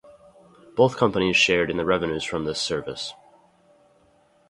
Both companies shared in the revenues from this service.